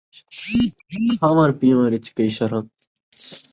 کھاوݨ پیوݨ ءِچ کئیں شرم